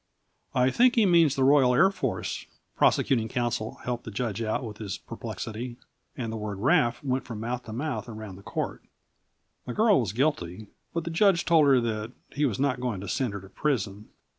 "I think he means the Royal Air Force," prosecuting counsel helped the judge out of his perplexity. And the word "Wraf" went from mouth to mouth round the court. The girl was guilty, but the judge told her that he was not going to send her to prison.